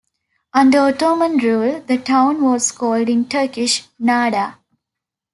Under Ottoman rule, the town was called in Turkish "Narda".